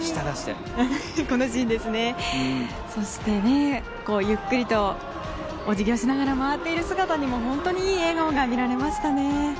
そしてゆっくりとお辞儀をしながら回っている姿にも本当にいい笑顔が見られました。